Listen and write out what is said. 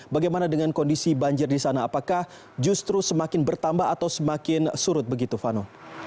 bagaimana dengan kondisi banjir di sana apakah justru semakin bertambah atau semakin surut begitu vano